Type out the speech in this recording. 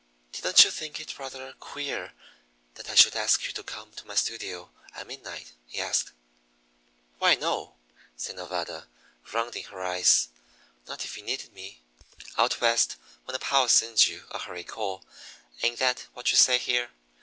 "Didn't you think it rather queer that I should ask you to come to my studio at midnight?" he asked. "Why, no," said Nevada, rounding her eyes. "Not if you needed me. Out West, when a pal sends you a hurry call ain't that what you say here?